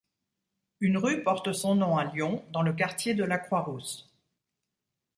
Une rue porte son nom à Lyon dans le quartier de la Croix-Rousse.